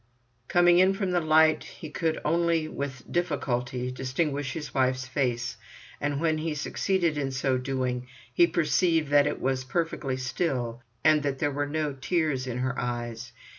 Coming in from the light he could only with difficulty distinguish his wife's face, and when he succeeded in so doing, he perceived that it was perfectly still and that there were no tears in her eyes.